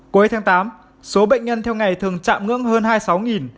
cuối tháng tám số bệnh nhân theo ngày thường chạm ngưỡng hơn hai mươi sáu